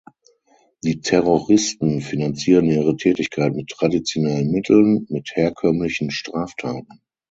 Die Terroristen finanzieren ihre Tätigkeit mit traditionellen Mitteln, mit herkömmlichen Straftaten.